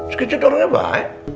sekicet orangnya baik